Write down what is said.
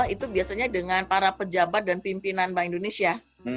itu biasanya dengan para pejabat dan pimpinan bank indonesia